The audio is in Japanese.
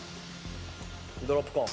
ドロップコーン？